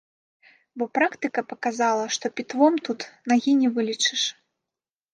Бо практыка паказала, што пітвом тут нагі не вылечыш.